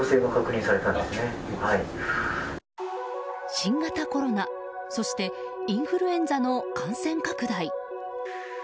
新型コロナそしてインフルエンザの感染拡大。